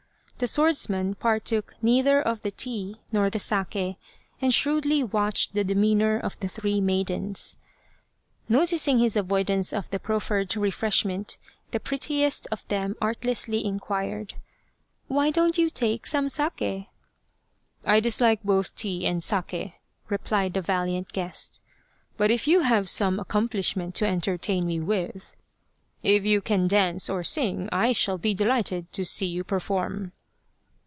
The swordsman partook neither of the tea nor the sake, and shrewdly watched the demeanour of the three maidens. Noticing his avoidance of the proffered refreshment, the prettiest of them artlessly inquired :" Why don't you take some sake ?"" I dislike both tea and sake," replied the valiant guest, " but if you have some accomplishment to enter tain me with, if you can dance or sing, I shall be de lighted to see you perform."